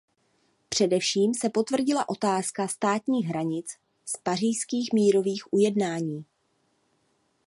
Především se potvrdila otázka státních hranic z pařížských mírových ujednání.